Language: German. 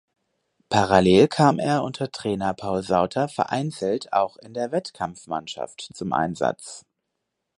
Parallel kam er unter Trainer Paul Sauter vereinzelt auch in der Wettkampfmannschaft zum Einsatz.